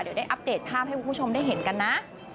เดี๋ยวได้อัปเดตภาพให้คุณผู้ชมได้เห็นกันนะ